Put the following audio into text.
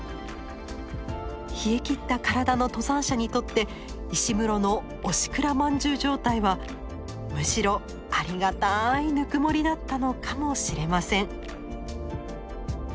冷えきった体の登山者にとって石室の押しくらまんじゅう状態はむしろありがたいぬくもりだったのかもしれません。